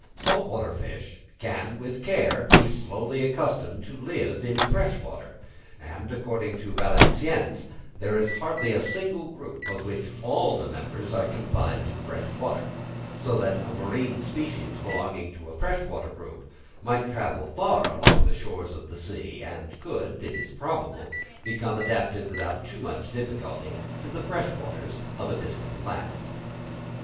Salt water fish can with care be slowly accustomed to live in fresh water; and, according to Valenciennes, there is hardly a single group of which all the members are confined to fresh water, so that a marine species belonging to a fresh water group might travel far along the shores of the sea, and could, it is probable, become adapted without much difficulty to the fresh waters of a distant land.